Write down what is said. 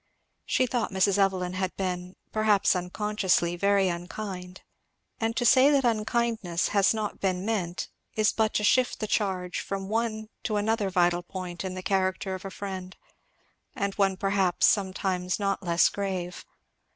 She thought Mrs. Evelyn had been, perhaps unconsciously, very unkind; and to say that unkindness has not been meant is but to shift the charge from one to another vital point in the character of a friend, and one perhaps sometimes not less grave.